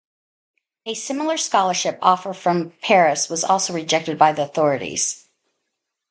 A similar scholarship offer from Paris was also rejected by the authorities.